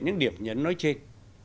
những điểm nhấn nói trên